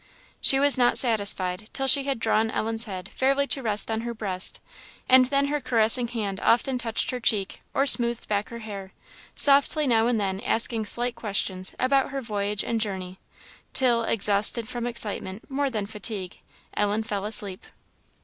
She was not satisfied till she had drawn Ellen's head fairly to rest on her breast, and then her caressing hand often touched her cheek, or smoothed back her hair, softly now and then asking slight questions about her voyage and journey, till, exhausted from excitement more than fatigue, Ellen fell asleep.